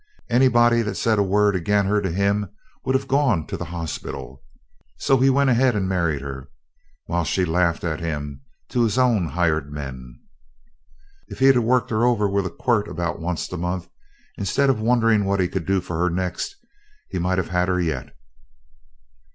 Anybody that said a word ag'in' her to him would have gone to the hospital. So he went ahead and married her while she laffed at him to his own hired men. "If he'd worked her over with a quirt about onct a month, instead of wonderin' what he could do for her next, he might have had her yet.